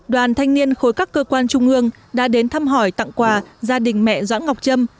đoàn thanh niên khối các cơ quan trung ương đã đến thăm hỏi tặng quà gia đình mẹ doãn ngọc trâm